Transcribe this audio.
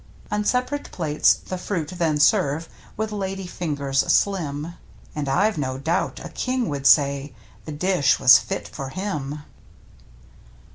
On separate plates the fruit then serve With lady fingers slim, And I've no doubt a king would say The dish was fit for him